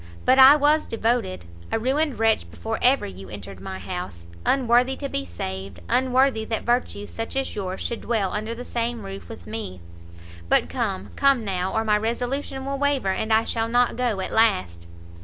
but I was devoted, a ruined wretch before ever you entered my house; unworthy to be saved, unworthy that virtues such as yours should dwell under the same roof with me! But come, come now, or my resolution will waver, and I shall not go at last."